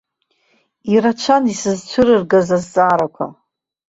Ирацәан исызцәырыргаз азҵаарақәа.